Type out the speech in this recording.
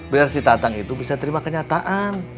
biar si tatang itu bisa terima kenyataan